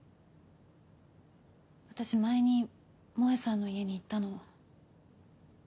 私前に萌さんの家に行ったの。